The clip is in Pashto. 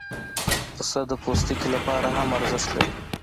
پسه د پوستکي لپاره هم ارزښت لري.